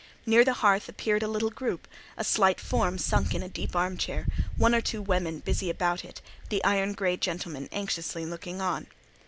Near the hearth appeared a little group: a slight form sunk in a deep arm chair, one or two women busy about it, the iron grey gentleman anxiously looking on.